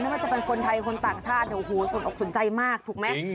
ไม่ว่าจะเป็นคนไทยคนต่างชาติโอ้โหสนอกสนใจมากถูกไหม